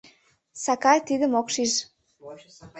Сакар тидым ок шиж.